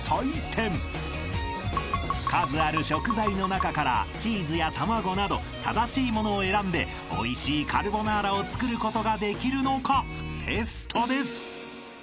［数ある食材の中からチーズや卵など正しいものを選んでおいしいカルボナーラを作ることができるのかテストです］